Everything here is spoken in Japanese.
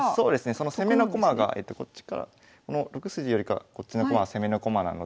その攻めの駒がこの６筋よりかこっちの駒は攻めの駒なので。